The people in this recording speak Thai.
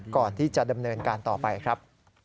ก่อนที่จะดำเนินการต่อไปครับ